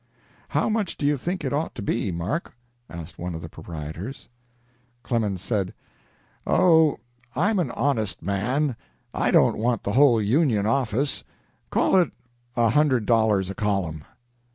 "How much do you think it ought to be, Mark?" asked one of the proprietors. Clemens said: "Oh, I'm a modest man; I don't want the whole 'Union' office; call it a hundred dollars a column."